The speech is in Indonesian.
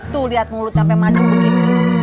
tuh lihat mulut sampai maju begitu